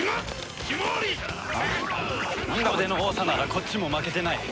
人手の多さならこっちも負けてない。